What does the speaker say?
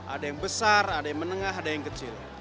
ada yang besar ada yang menengah ada yang kecil